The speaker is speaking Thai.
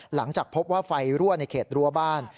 หลังจากพบว่าไฟรั่วในเขตรั้วบ้าน